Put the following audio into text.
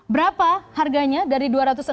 berapa harganya dari dua ratus